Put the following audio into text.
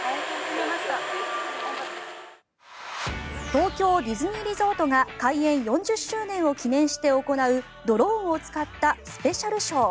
東京ディズニーリゾートが開園４０周年を記念して行うドローンを使ったスペシャルショー。